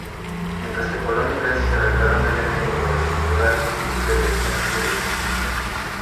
Mientras que Polonia y Francia se retiraron del evento por reestructurar sus televisiones públicas.